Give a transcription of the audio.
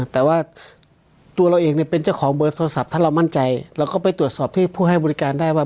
แต่ว่าตัวเราเองเป็นเจ้าของเบอร์โทรศัพท์ถ้าเรามั่นใจเราก็ไปตรวจสอบที่ผู้ให้บริการได้ว่า